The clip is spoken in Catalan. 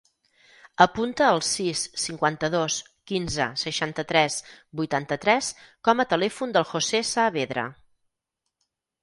Apunta el sis, cinquanta-dos, quinze, seixanta-tres, vuitanta-tres com a telèfon del José Saavedra.